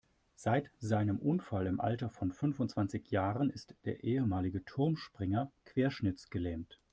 Seit seinem Unfall im Alter von fünfundzwanzig Jahren ist der ehemalige Turmspringer querschnittsgelähmt.